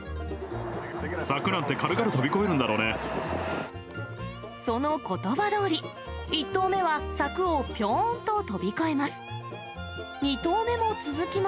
柵なんて軽々飛び越えるんだそのことばどおり、１頭目は柵をぴょーんと飛び越えます。